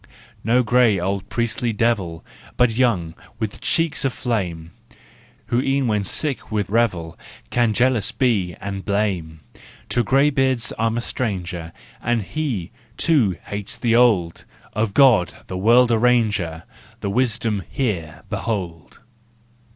No grey old priestly devil, But, young, with cheeks aflame— Who e'en when sick with revel, Can jealous be and blame. To greybeards I'm a stranger, And he, too, hates the old : Of God, the world arranger, The wisdom here behold!